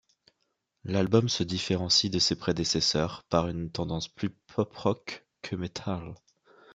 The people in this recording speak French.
L'album se différencie de ses prédécesseurs par une tendance plus pop-rock que metal.